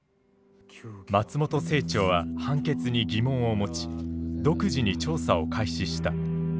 松本清張は判決に疑問を持ち独自に調査を開始した。